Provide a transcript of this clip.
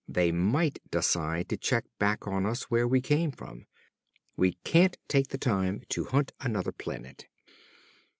They might decide to check back on us where we came from. We can't take the time to hunt another planet!"